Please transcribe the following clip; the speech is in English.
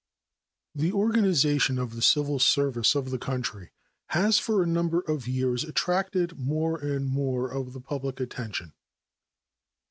The organization of the civil service of the country has for a number of years attracted more and more of the public attention.